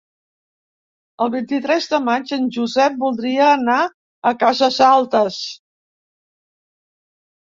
El vint-i-tres de maig en Josep voldria anar a Cases Altes.